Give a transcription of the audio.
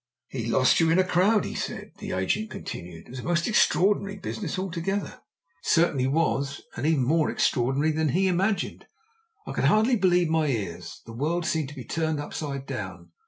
"He lost you in a crowd, he said," the agent continued. "It was a most extraordinary business altogether." It certainly was, and even more extraordinary than he imagined. I could hardly believe my ears. The world seemed to be turned upside down.